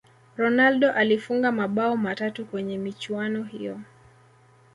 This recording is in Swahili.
ronaldo alifunga mabao matatu kwenye michuano hiyo